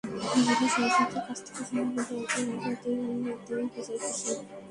বিজেপির সমর্থকদের কাছ থেকে জানা গেল, অজয় নাকি এতেই বেজায় খুশি।